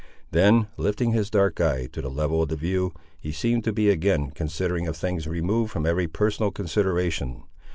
Then lifting his dark eye to the level of the view, he seemed to be again considering of things removed from every personal consideration.